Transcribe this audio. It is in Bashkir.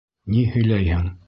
Ни һөйләйһең?